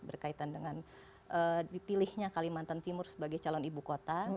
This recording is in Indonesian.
berkaitan dengan dipilihnya kalimantan timur sebagai calon ibu kota